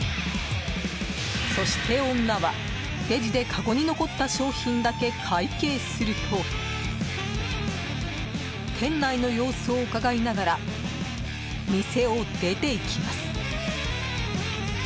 そして、女はレジでかごに残った商品だけ会計すると店内の様子をうかがいながら店を出て行きます。